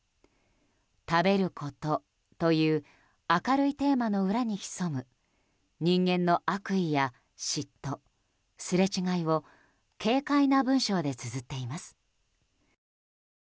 食べることという明るいテーマの裏に潜む人間の悪意や嫉妬、すれ違いを軽快な文章でつづっています。